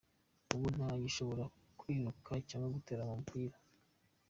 Ubu ntagishobora kwiruka cyangwa gutera umupira.